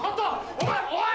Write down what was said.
おいおい！